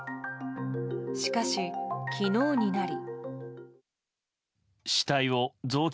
しかし、昨日になり。